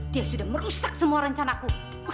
dia sudah merusak semua rencanaku